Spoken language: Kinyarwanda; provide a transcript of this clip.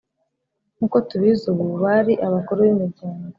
nk’uko tubizi ubu: bari abakuru b’imiryango,